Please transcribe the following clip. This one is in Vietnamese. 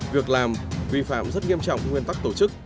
việc làm vi phạm rất nghiêm trọng nguyên tắc tổ chức